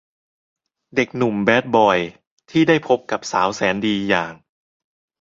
เด็กหนุ่มแบดบอยที่ได้พบกับสาวแสนดีอย่าง